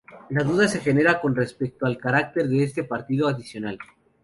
La duda se genera con respecto al carácter de este partido adicional.